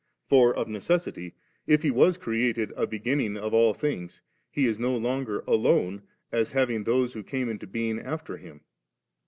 for of necessity, if He was created a beginning of all things. He is no longer alone, as having those who came into being after Him.